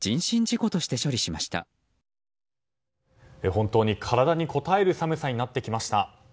本当に体にこたえる寒さになってきました。